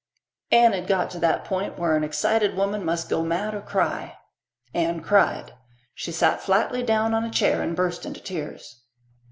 Anne had got to that point where an excited woman must go mad or cry. Anne cried. She sat flatly down on a chair and burst into tears.